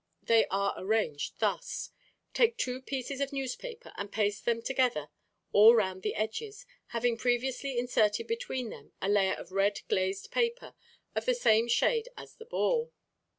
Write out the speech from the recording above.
They are arranged thus: Take two pieces of newspaper and paste them together all round the edges, having previously inserted between them a layer of red glazed paper of the same shade as the ball.